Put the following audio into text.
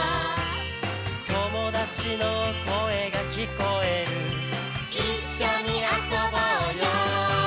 「友達の声が聞こえる」「一緒に遊ぼうよ」